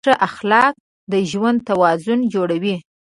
ښه اخلاق د ژوند توازن جوړوي.